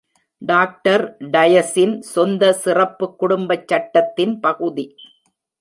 Doctor டயஸின் சொந்த சிறப்பு குடும்பச் சட்டத்தின் பகுதி.